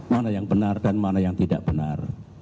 mana yang benar dan mana yang tidak benar